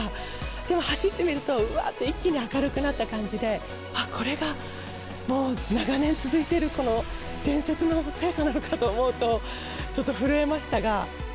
でも走ってみると、うわーって一気に明るくなった感じで、あっ、これが、もう長年続いている伝説の聖火なのかと思うと、ちょっと震えまし